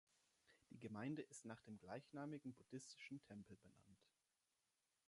Die Gemeinde ist nach dem gleichnamigen buddhistischen Tempel benannt.